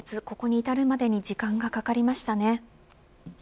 ここに至るまでに時間がかかりましたね。